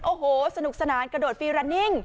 โอ้โหสนุกสนานกระโดดฟีรันนิ่ง